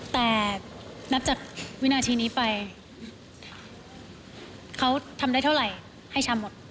แต่นับจากวินาทีนี้ไปเขาทำได้เท่าไหร่ให้ช้ำหมด